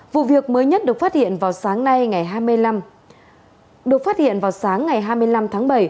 vụ việc mới nhất được phát hiện vào sáng nay ngày hai mươi năm tháng bảy